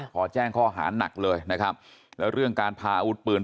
พอแจ้งข้อหานักเลยนะครับแล้วเรื่องการพาอาวุธปืน